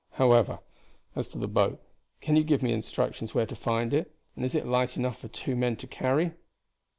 However, as to the boat, can you give me instructions where to find it, and is it light enough for two men to carry?"